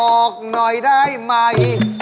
ออกหน่อยได้ไหม